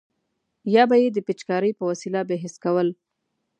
یا به یې د پیچکارۍ په وسیله بې حس کول.